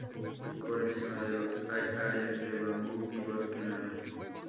Por encima de los hay áreas de bambú y bosque enano.